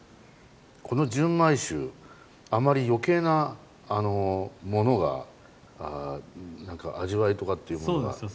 この純米酒あまり余計なものが味わいとかっていうものがない